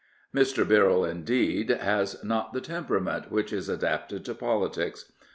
Mr. Birrell, indeed, has not the temperament which is adapted to politics.